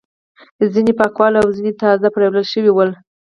ځینې پاک ول او ځینې تازه پریولل شوي ول.